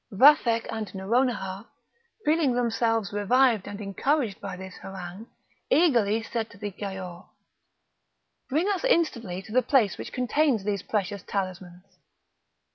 Vathek and Nouronihar, feeling themselves revived and encouraged by this harangue, eagerly said to the Giaour: "Bring us instantly to the place which contains these precious talismans."